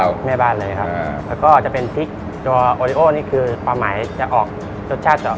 แล้วก็จะเป็นเบรคอน